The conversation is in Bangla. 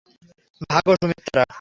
ভাগো, সুমিত্রা।